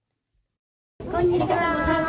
こんにちは。